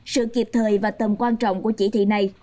sự kịp thời và tầm quan trọng của chỉ thị này